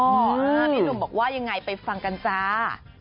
พี่หนุ่มบอกว่ายังไงไปฟังกันจ้า